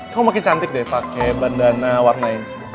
kamu makin cantik deh pake bandana warna ini